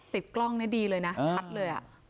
ติดกล้องนี้ดีเลยนะชัดเลย